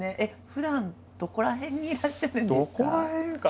ふだんどこら辺にいらっしゃるんですか？